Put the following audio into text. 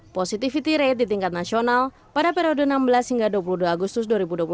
positivity rate di tingkat nasional pada periode enam belas hingga dua puluh dua agustus dua ribu dua puluh satu